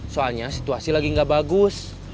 soalnya situasi lagi nggak bagus